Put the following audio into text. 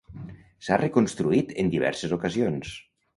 S'ha reconstruït en diverses ocasions.